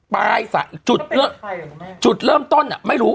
ปลายสายจุดเริ่มต้นไม่รู้